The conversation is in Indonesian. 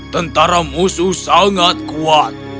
tentara musuh sangat kuat